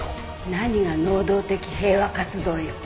何が能動的平和活動よ。